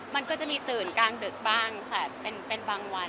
มันก็จะมีตื่นกลางดึกบ้างค่ะเป็นบางวัน